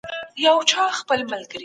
پرښتې د علم په قدر پوهېدلې.